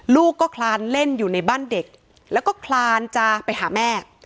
ลูกก็คลานเล่นอยู่ในบ้านเด็กแล้วก็คลานจะไปหาแม่